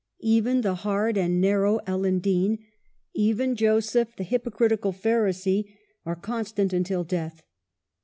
Even the hard and narrow Ellen Dean, even Joseph, the hypocritical Phar isee, are constant until death.